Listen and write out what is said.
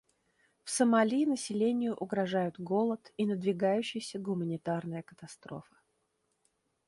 В Сомали населению угрожают голод и надвигающаяся гуманитарная катастрофа.